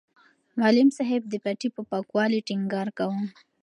معلم صاحب د پټي په پاکوالي ټینګار کاوه.